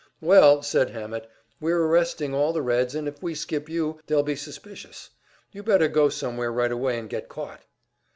"Well," said Hammett, "we're arresting all the Reds, and if we skip you, they'll be suspicious. You better go somewhere right away and get caught."